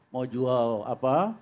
mau jual apa